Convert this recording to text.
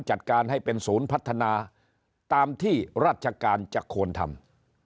จัดการให้เป็นศูนย์พัฒนาตามที่ราชการจะควรทำ